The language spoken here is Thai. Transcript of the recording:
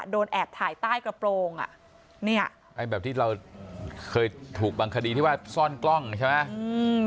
เป็นแบบที่เราเคยถูกบังคดีที่ว่าซ่อนกล้องใช่ไหม